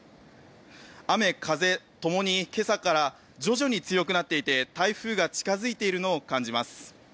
雨風ともに今朝から徐々に強くなっていて台風が近付いているのを感じます。